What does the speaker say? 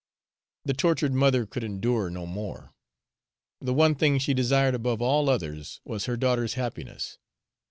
The tortured mother could endure no more. The one thing she desired above all others was her daughter's happiness.